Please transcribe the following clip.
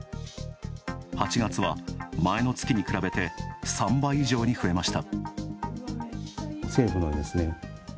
８月は前の月に比べて３倍以上に増えました。